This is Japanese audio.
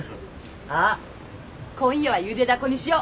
あっ今夜はゆでだこにしよ。